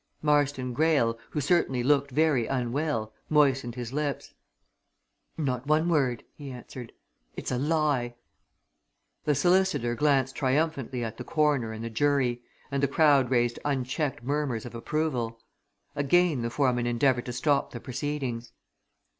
Marston Greyle who certainly looked very unwell moistened his lips. "Not one word!" he answered. "It's a lie!" The solicitor glanced triumphantly at the Coroner and the jury, and the crowd raised unchecked murmurs of approval. Again the foreman endeavoured to stop the proceedings.